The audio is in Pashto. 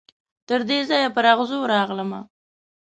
تر دغه ځایه پر اغزو راغلمه